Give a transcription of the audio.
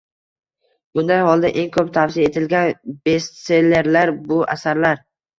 Bunday holda, eng ko'p tavsiya etilgan bestsellerlar - bu asarlar